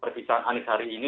perpisahan anis hari ini